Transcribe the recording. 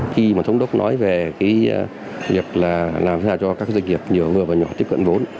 khi mà thống đốc nói về cái việc là làm sao cho các doanh nghiệp nhỏ vừa và nhỏ tiếp cận vốn